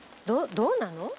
どうなの？